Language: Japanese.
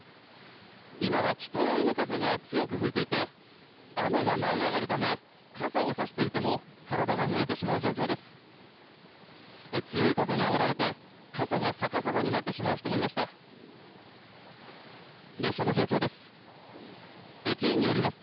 今は北寄りの風が強く吹いていて、雨が舞い上がるため、傘を差していても、体がぬれてしまう状況です。